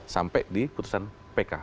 sampai di putusan pk